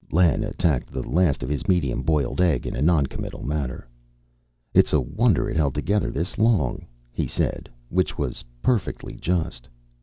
Len attacked the last of his medium boiled egg in a noncommittal manner. "It's a wonder it's held together this long," he said, which was perfectly just.